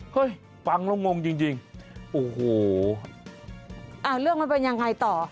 ฟังแล้วงงจริงโอ้โหอ่าเรื่องมันเป็นยังไงต่อ